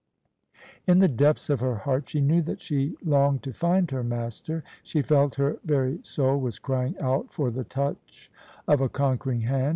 In the depths of her heart she knew that she longed to find her master — she felt her very soul was crying out for the touch of a conquering hand.